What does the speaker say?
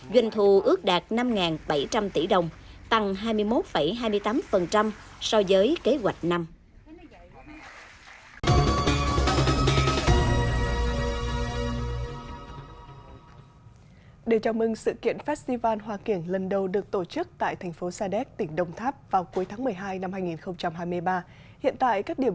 doanh thu ước đạt năm bảy trăm linh tỷ đồng tăng hai mươi một hai mươi tám so với kế hoạch năm